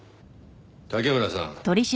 竹村さん。